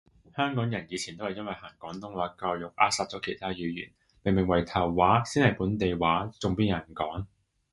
香港以前都係因為行廣東話教育扼殺咗其他語言，明明圍頭話先係本地話，仲邊有人講？